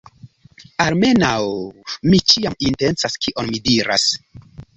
Almenaŭ,... mi ĉiam intencas kion mi diras.